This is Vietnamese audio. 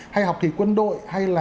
hay học thí quân đội hay là